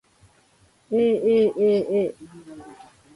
aaaa